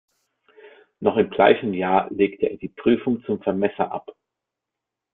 Noch im gleichen Jahr legte er die Prüfung zum Vermesser ab.